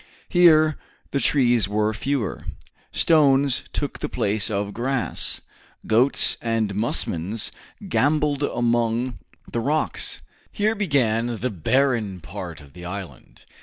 Here the trees were fewer. Stones took the place of grass. Goats and musmons gambolled among the rocks. Here began the barren part of the island.